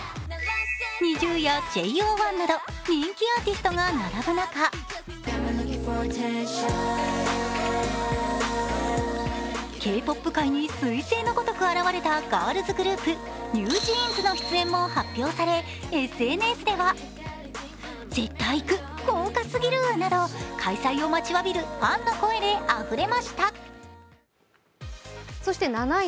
ＮｉｚｉＵやＪＯ１など人気アーティストが並ぶ中Ｋ−ＰＯＰ界にすい星のごとく現れたガールズグループＮｅｗＪｅａｎｓの出演も発表されＳＮＳではなど、開催を待ちわびるファンの声であふれました。